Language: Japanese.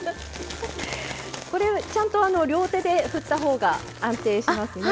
これちゃんとあの両手で振った方が安定しますね。